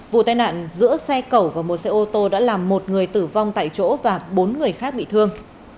vụ tai nạn giữa xe cẩu và một xe ô tô đã làm một người tử vong tại chỗ và bốn người khác bị thương